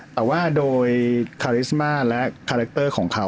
แต่ว่าโดยคาริสมาและคาแรคเตอร์ของเขา